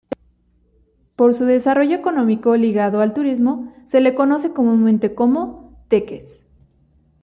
Por su desarrollo económico ligado al turismo, se le conoce comúnmente como "Teques".